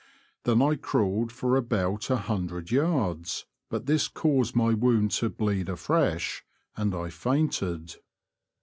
Then I crawled for about a hundred yards, but this caused my wound to bleed afresh, and I fainted.